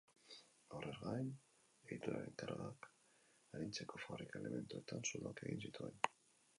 Horrez gain, egituraren kargak arintzeko fabrika elementuetan zuloak egin zituen.